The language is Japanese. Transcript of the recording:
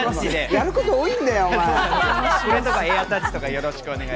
やること多いんだよ！